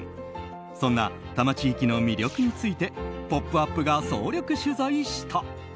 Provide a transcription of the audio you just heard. そんな多摩地域の魅力について「ポップＵＰ！」が総力取材した。